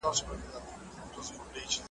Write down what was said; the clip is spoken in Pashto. دا ښه عادت دئ.